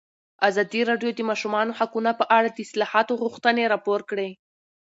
ازادي راډیو د د ماشومانو حقونه په اړه د اصلاحاتو غوښتنې راپور کړې.